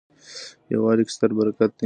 یووالي کي ستر برکت دی.